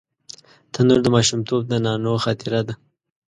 تنور د ماشومتوب د نانو خاطره ده